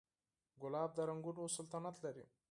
ګلاب د رنګونو سلطنت لري.